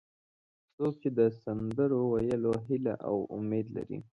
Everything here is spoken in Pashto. څوک چې د سندرو ویلو هیله او امید لري.